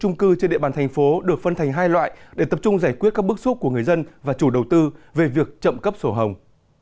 trung cư trên địa bàn thành phố được phân thành hai loại để tập trung giải quyết các bước xúc của người dân và chủ đầu tư về việc chậm cấp sổ hồng